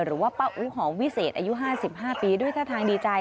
หรือว่าป้าอู๋หอมวิเศษอายุ๕๕ปีด้วยท่าทางดีใจ